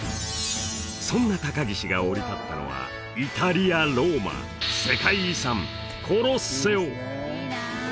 そんな高岸が降り立ったのはイタリアローマ世界遺産コロッセオ